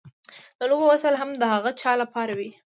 د لوبو وسایل هم د هغه چا لپاره وي.